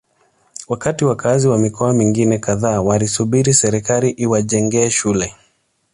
wakati wakazi wa mikoa mingine kadhaa walisubiri serikali iwajengee shule